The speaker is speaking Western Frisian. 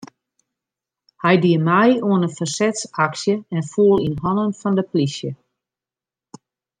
Hy die mei oan in fersetsaksje en foel yn hannen fan de polysje.